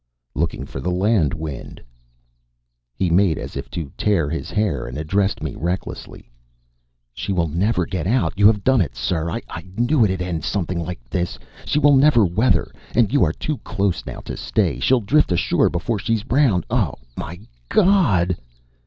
"Looking for the land wind." He made as if to tear his hair, and addressed me recklessly. "She will never get out. You have done it, sir. I knew it'd end in something like this. She will never weather, and you are too close now to stay. She'll drift ashore before she's round. Oh my God!"